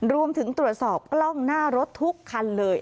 รวมถึงตรวจสอบกล้องหน้ารถทุกคันเลย